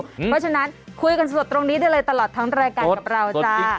เพราะฉะนั้นคุยกันสดตรงนี้ได้เลยตลอดทั้งรายการกับเราจ้า